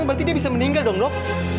berarti dia bisa meninggal dong dok